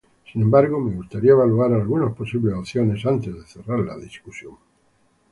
Sin embargo, me gustaría evaluar algunas posibles opciones antes de cerrar la discusión.